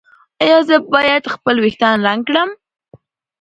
ایا زه باید خپل ویښتان رنګ کړم؟